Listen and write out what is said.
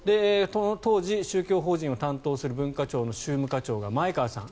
当時、宗教法人を担当する文化庁の宗務課長が前川さん